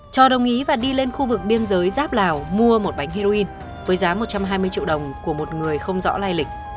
cho đồng ý và đi lên khu vực biên giới giáp lào mua một bánh heroin với giá một trăm hai mươi triệu đồng của một người không rõ lai lịch